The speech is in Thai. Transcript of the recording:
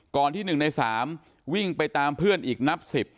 ที่๑ใน๓วิ่งไปตามเพื่อนอีกนับ๑๐